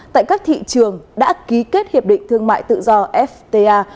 tại các thị trường đã ký kết hiệp định thương mại tự do fta